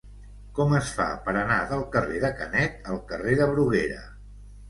Com es fa per anar del carrer de Canet al carrer de Bruguera?